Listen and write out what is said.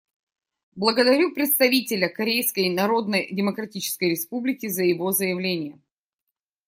Благодарю представителя Корейской Народно-Демократической Республики за его заявление.